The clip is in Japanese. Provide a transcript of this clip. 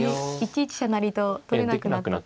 １一飛車成と取れなくなった。